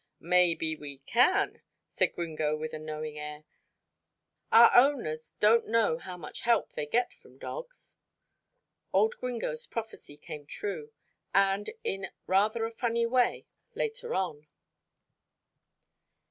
"Maybe we can," said Gringo with a knowing air. "Our owners don't know how much help they get from dogs." Old Gringo's prophecy came true, and in rather a funny way, later on.